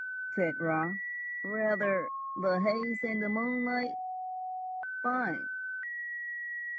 said Raut. "Rather! The haze in the moonlight. Fine!"